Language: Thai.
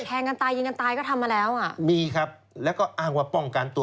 แทงกันตายยิงกันตายก็ทำมาแล้วอ่ะมีครับแล้วก็อ้างว่าป้องกันตัว